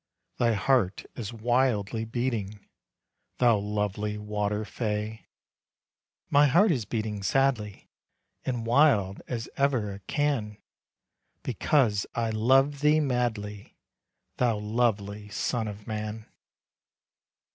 Thy heart is wildly beating, Thou lovely water fay. "My heart is beating sadly And wild as ever it can, Because I love thee madly, Thou lovely son of man."